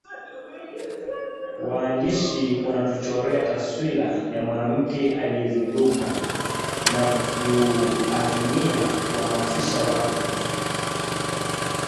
waandishi wanatuchorea taswira ya mwanamke aliyezinduka na kuazimia kuwahamasisha watu